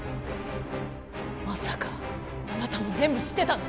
まさかあなたも全部知ってたの？